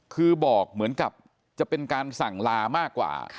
คือบอกเหมือนกับจะเป็นการสั่งลามากกว่า